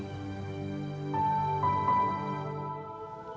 mungkin dia seperti itu